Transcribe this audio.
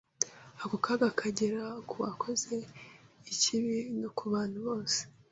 Ako kaga kagera ku wakoze ikibi no ku bantu bose